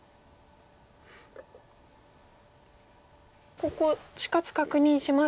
ここ死活確認しますか。